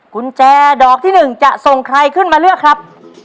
กุญแจดอกที่๑จะส่งใครขึ้นมาเลือกครับ